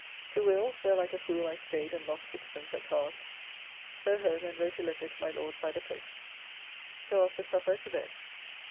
To Will's, where like a fool I staid and lost 6d. at cards. So home, and wrote a letter to my Lord by the post. So after supper to bed.